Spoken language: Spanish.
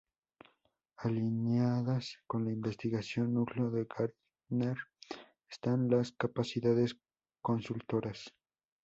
Alineadas con la investigación, núcleo de Gartner, están las capacidades consultoras.